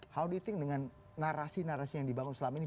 how do you think dengan narasi narasi yang dibangun selama ini